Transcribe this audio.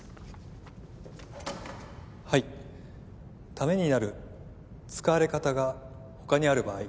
はい「ためになる使われ方が他にある場合」